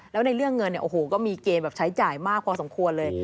แล้วในเรื่องเงินเนี่ยโอ้โหก็มีเกณฑ์แบบใช้จ่ายมากพอสมควรเลย